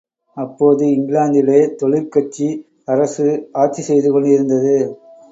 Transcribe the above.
அப்போது, இங்கிலாந்திலே தொழிற்கட்சி அரசு ஆட்சி செய்து கொண்டிருந்தது.